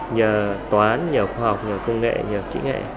nhờ toán nhờ khoa học nhờ công nghệ nhờ kỹ nghệ